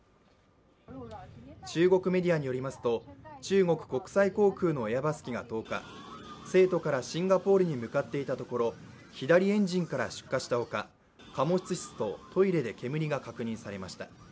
中国メディアによりますと中国国際航空のエアバス機が１０日、成都からシンガポールに向かっていたところ、左エンジンから出火したほか、貨物室とトイレで煙が確認されました。